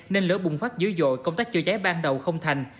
nên lửa bùng phát dữ dội công tác chữa cháy ban đầu không thành